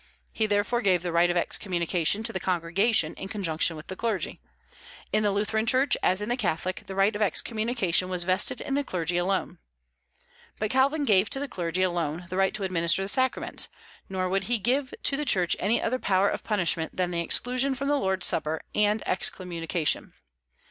He therefore gave the right of excommunication to the congregation in conjunction with the clergy. In the Lutheran Church, as in the Catholic, the right of excommunication was vested in the clergy alone. But Calvin gave to the clergy alone the right to administer the sacraments; nor would he give to the Church any other power of punishment than exclusion from the Lord's Supper, and excommunication.